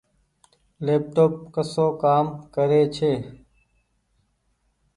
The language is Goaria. ليپ ٽوپ ڪسو ڪآ ڪري ڇي ۔